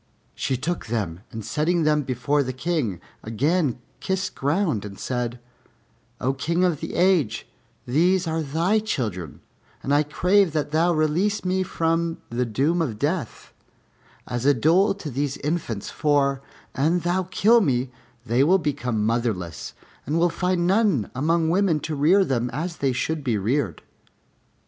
She took them, and setting them before the King, again kissed ground and said, "O King of the Age, these are thy children and I crave that thou release me from the doom of death, as a dole to these infants; for, an thou kill me, they will become motherless and will find none among women to rear them as they should be reared."